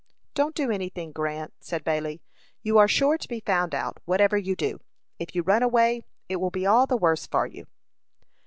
"Don't do any thing, Grant," said Bailey. "You are sure to be found out, whatever you do. If you run away, it will be all the worse for you."